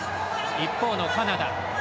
一方のカナダ。